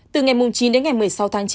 từ ngày chín đến ngày một mươi sáu tháng chín